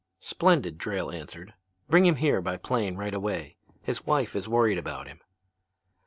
"'Splendid,' Drayle answered. 'Bring him here by plane right away; his wife is worried about him.'